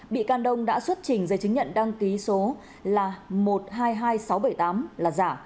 bị can đông đã xuất trình giấy chứng nhận đăng ký số một trăm hai mươi hai nghìn sáu trăm bảy mươi tám là giả